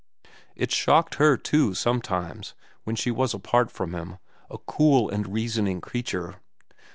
It shocked her, too, sometimes, when she was apart from him, a cool and reasoning creature.